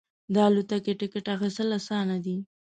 د الوتکې ټکټ اخیستل اسانه دی.